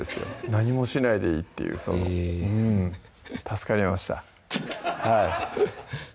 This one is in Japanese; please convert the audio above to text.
何もしないでいいっていうへぇ助かりました